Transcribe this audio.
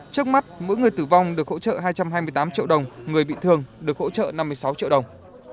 trước mắt mỗi người tử vong được hỗ trợ hai trăm hai mươi tám triệu đồng người bị thương được hỗ trợ năm mươi sáu triệu đồng